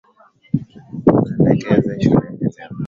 Tuelekeze shuleni leo.